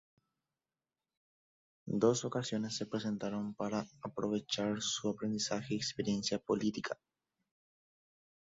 Dos ocasiones se presentaron para aprovechar su aprendizaje y experiencia política.